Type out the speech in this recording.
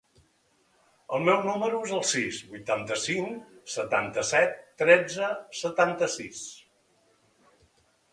El meu número es el sis, vuitanta-cinc, setanta-set, tretze, setanta-sis.